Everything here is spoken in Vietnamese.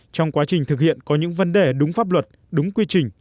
trong quá trình thực hiện có những vấn đề đúng pháp luật đúng quy trình